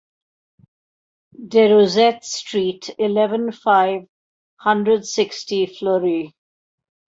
Des Roussettes street, eleven, five hundred sixty Fleury